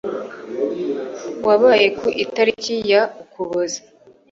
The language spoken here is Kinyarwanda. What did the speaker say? wabaye ku itariki ya ukuboza